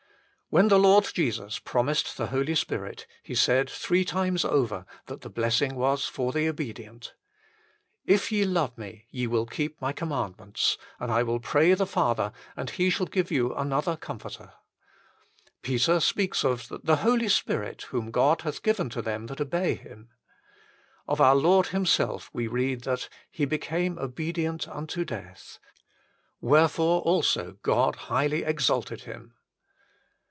When the Lord Jesus promised the Holy Spirit, He said three times over that the blessing was for the obedient. " If ye love Me, ye will keep My commandments : and I will pray the Father, and He shall give you another Com forter." l Peter speaks of " the Holy Spirit whom God hath given to them that obey Him." 2 Of our Lord Himself we read that " He became obedient unto death. Wherefore also God highly exalted Him."